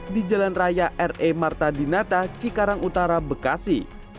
di jalan raya re marta dinata cikarang utara bekasi